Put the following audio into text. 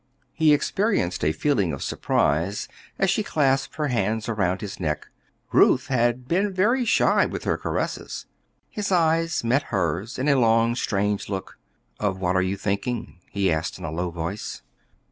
He experienced a feeling of surprise as she clasped her arms around his neck; Ruth had been very shy with her caresses. His eyes met hers in a long, strange look. "Of what are you thinking?" he asked in a low voice.